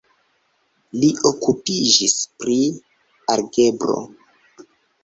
Li okupiĝis pri algebro.